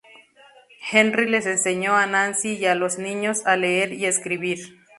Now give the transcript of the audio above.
Henry les enseñó a Nancy y a los niños a leer y escribir.